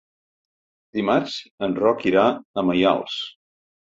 Dimarts en Roc irà a Maials.